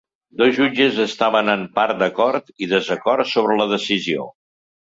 Dos jutges estaven en part d'acord i desacord sobre la decisió.